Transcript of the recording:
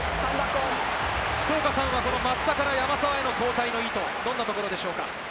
福岡さんは松田から山沢への交代の意図、どんなところでしょうか？